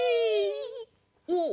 おっ！